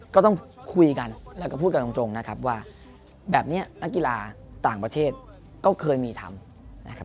ก็ต้องคุยกันแล้วก็พูดกันตรงนะครับว่าแบบนี้นักกีฬาต่างประเทศก็เคยมีทำนะครับ